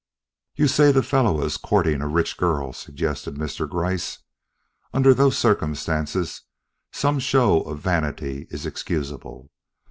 "You say the fellow is courting a rich girl," suggested Mr. Gryce. "Under those circumstances some show of vanity is excusable.